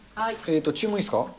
注文いいですか？